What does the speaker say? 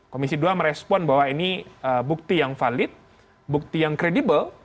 komisi dua merespon bahwa ini bukti yang valid bukti yang kredibel